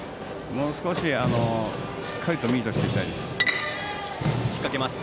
もう少ししっかりとミートしていきたいです。